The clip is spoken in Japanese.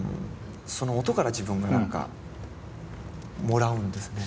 その音から自分が何かもらうんですね。